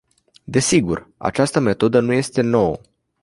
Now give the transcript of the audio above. Desigur, această metodă nu este nouă.